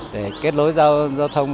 để kết nối giao thông